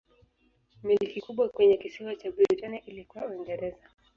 Milki kubwa kwenye kisiwa cha Britania ilikuwa Uingereza.